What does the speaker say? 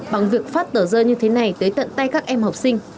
bằng việc phát tờ rơi như thế này tới tận tay các em học sinh